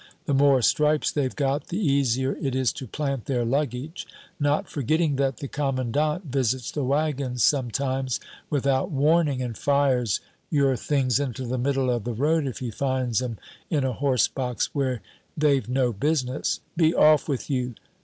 the more stripes they've got, the easier it is to plant their luggage, not forgetting that the commandant visits the wagons sometimes without warning and fires your things into the middle of the road if he finds 'em in a horse box where they've no business Be off with you!